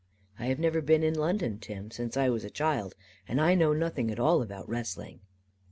"I have never been in London, Tim, since I was a child; and I know nothing at all about wrestling."